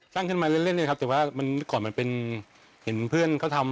สร้างขึ้นมาเล่นเลยครับแต่ว่ามันก่อนมันเป็นเห็นเพื่อนเขาทำ